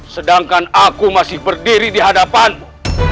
sedangkan aku masih berdiri di hadapanmu